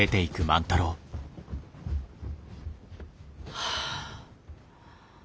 はあ。